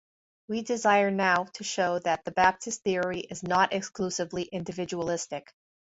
We desire now to show that the Baptist theory is not exclusively individualistic.